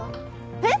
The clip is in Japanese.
えっ！？